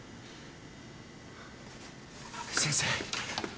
先生。